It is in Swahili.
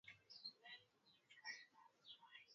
Micky anasumbua Sana.